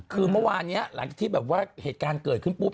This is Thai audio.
คือเมื่อวานนี้หลังจากที่แบบว่าเหตุการณ์เกิดขึ้นปุ๊บ